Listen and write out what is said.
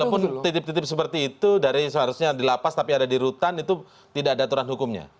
walaupun titip titip seperti itu dari seharusnya di lapas tapi ada di rutan itu tidak ada aturan hukumnya